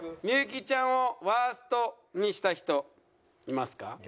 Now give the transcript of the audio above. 幸ちゃんをワーストにした人いますか？